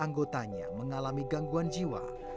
dan menganggutannya mengalami gangguan jiwa